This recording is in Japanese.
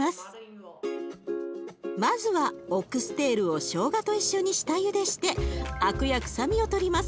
まずはオックステールをしょうがと一緒に下ゆでしてアクや臭みを取ります。